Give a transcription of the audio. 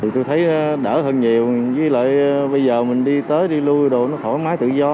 tôi thấy đỡ hơn nhiều với lại bây giờ mình đi tới đi lưu đồ nó thoải mái tự do